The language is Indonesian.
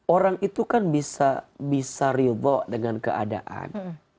orang itu kan bisa bisa revo dengan keadaan